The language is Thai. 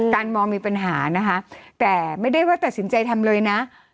มองมีปัญหานะคะแต่ไม่ได้ว่าตัดสินใจทำเลยนะ